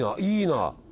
いいな。